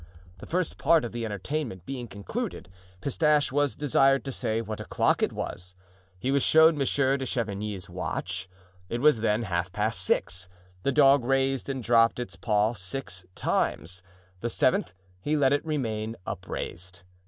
The first part of the entertainment being concluded Pistache was desired to say what o'clock it was; he was shown Monsieur de Chavigny's watch; it was then half past six; the dog raised and dropped his paw six times; the seventh he let it remain upraised.